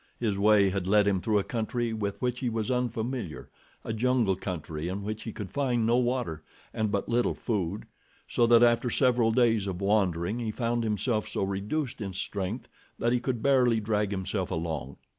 His way had led him through a country with which he was unfamiliar, a jungle country in which he could find no water, and but little food, so that after several days of wandering he found himself so reduced in strength that he could barely drag himself along.